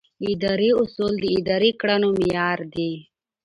اداري اصول د ادارې د کړنو معیار دي.